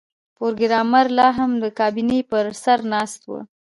پروګرامر لاهم د کابینې پر سر ناست و